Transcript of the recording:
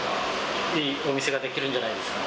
いいお店ができるんじゃないですかね。